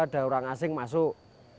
ada orang asing masuk